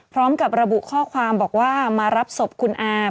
พร้อมกับระบุข้อความบอกว่ามารับศพคุณอา